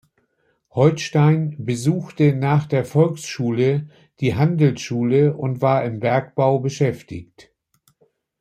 Holstein besuchte nach der Volksschule die Handelsschule und war im Bergbau beschäftigt.